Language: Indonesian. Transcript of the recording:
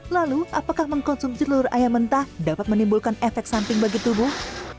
lalu apakah mengkonsumsi telur ayam mentah dapat menimbulkan efek samping bagi tubuh